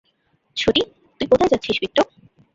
ছোটি, তুই কোথায় যাচ্ছিস বিট্টো?